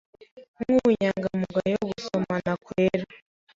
nkubunyangamugayo gusomana kwera